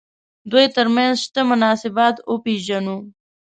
دوی تر منځ شته مناسبات وپېژنو.